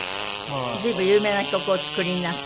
随分有名な曲をお作りになった。